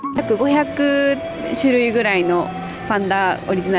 ada sekitar lima ratus jenis gaya panda original